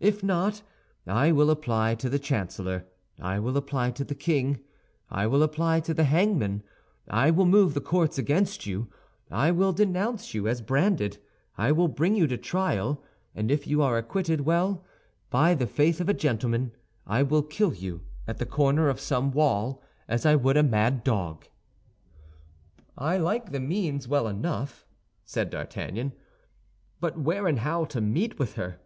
If not, I will apply to the chancellor, I will apply to the king, I will apply to the hangman, I will move the courts against you, I will denounce you as branded, I will bring you to trial; and if you are acquitted, well, by the faith of a gentleman, I will kill you at the corner of some wall, as I would a mad dog.'" "I like the means well enough," said D'Artagnan, "but where and how to meet with her?"